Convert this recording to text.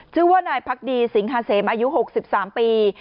ชื่อว่านายพักดีสิงหาเสมอายุ๖๓ปี